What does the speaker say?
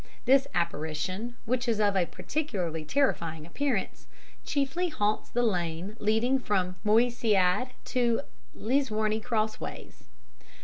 This apparition, which is of a particularly terrifying appearance, chiefly haunts the lane leading from Mousiad to Lisworney Crossways.